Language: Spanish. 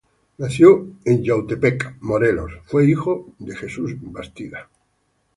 Nació en Yautepec, Morelos; fue hijo de Jesús Bastida.